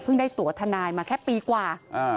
เพิ่งได้ตรวจทนายมาแค่ปีกว่า